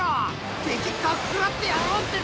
敵かっ食らってやろうってな！